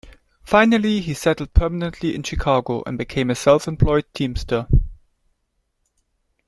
Finally he settled permanently in Chicago and became a self-employed teamster.